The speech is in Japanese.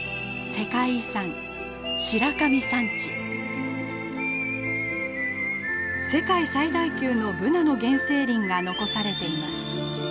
世界最大級のブナの原生林が残されています。